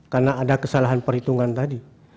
karena ada kesalahan perhitungan tadi